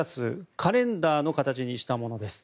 カレンダーの形にしたものです。